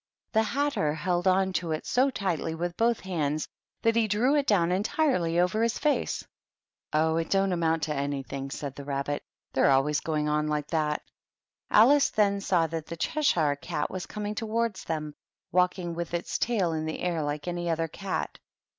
The Hatter held on to it so tightly with both hands that he drew it down entirely over his face. " Oh, it don't amount to anything !" said the Babbit; "they're always going on like that." Alice then saw that the Cheshire Cat was coming towards them, walking with its tail in the air like any other cat.